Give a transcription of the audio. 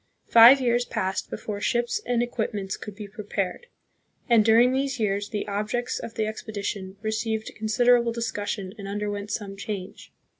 Five years passed before ships and equipments could be prepared, and during these years the objects of the expedition received considerable discussion and under went some change.